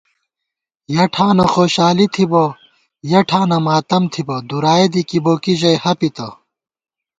یَہ ٹھانہ خوشالی تھِبہ یَہ ٹھانہ ماتم تھِبہ دُرائےدی کِبوکی ژَئی ہَپپتہ